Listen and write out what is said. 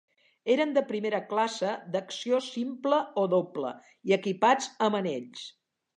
Eren de primera classe, d'acció simple o doble, i equipats amb anells.